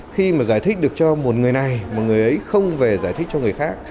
khi mà giải thích được cho một người này mà người ấy không về giải thích cho người khác